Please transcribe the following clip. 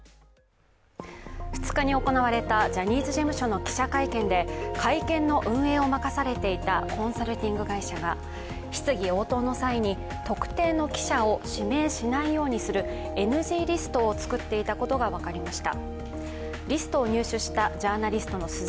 ２日に行われたジャニーズ事務所の記者会見で会見の運営を任されていたコンサルティング会社が質疑応答の際に特定の記者を指名しないようにするＮＧリストを作っていたことが分かりました。